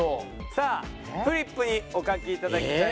さあフリップにお書き頂きたいと思います。